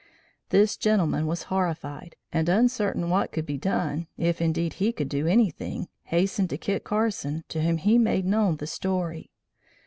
This gentleman was horrified, and uncertain what could be done, if indeed he could do anything, hastened to Kit Carson, to whom he made known the story.